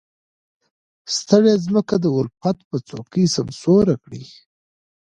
ستړې ځمکې د الفت به څوک سمسورې کړي.